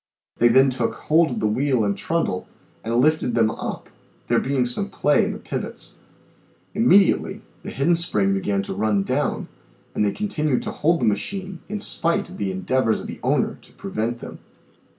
They then took hold of the wheel and trundle and lifted them up, there being some play in the pivots. " Immedi ately the hidden spring began to run down and they con tinued to hold the machine in spite of the endeavors of 72 THE SEVEN FOLLIES OF SCIENCE the owner to prevent them.